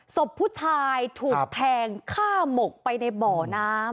ศพผู้ชายถูกแทงฆ่าหมกไปในบ่อน้ำ